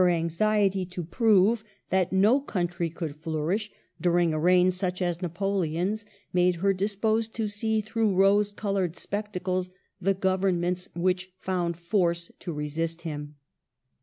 237 anxiety to prove that no country could flourish, during a reign such as Napoleon's, made her disposed to see through rose colored spectacles the Governments which found force to resist him.